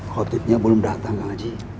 kotipnya belum datang kang haji